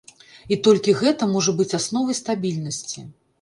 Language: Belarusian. І толькі гэта можа быць асновай стабільнасці.